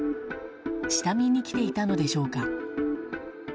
下見に来ていたのでしょうか。